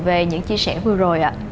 về những chia sẻ vừa rồi ạ